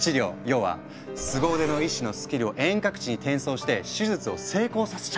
要は凄腕の医師のスキルを遠隔地に転送して手術を成功させちゃうってこと。